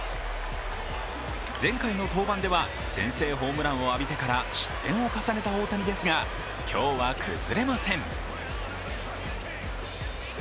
前回の登板では先制ホームランを浴びてから失点を重ねた大谷ですが今日は崩れません。